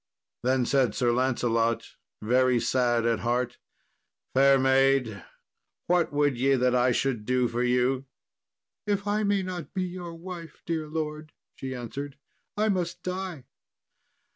Then said Sir Lancelot, very sad at heart, "Fair maid, what would ye that I should do for you?" "If I may not be your wife, dear lord," she answered, "I must die."